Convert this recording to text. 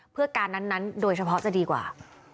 เพื่อการนั้นโดยเฉพาะจะดีกว่า